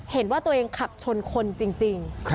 เห็นว่าตัวเองขับชนคนจริง